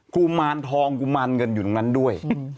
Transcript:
กุมารทองกุมารเงินอยู่ตรงนั้นด้วย